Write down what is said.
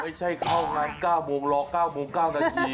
ไม่ใช่เข้างาน๙โมงรอ๙โมง๙นาที